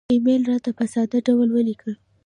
یو ایمیل راته په ساده ډول ولیکه